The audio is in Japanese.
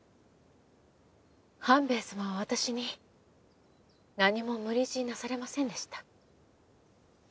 半兵衛様は私に何も無理強いなされませんでした。